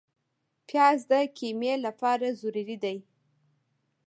پیاز د قیمې لپاره ضروري دی